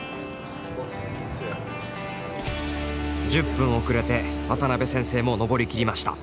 １０分遅れて渡辺先生も登りきりました。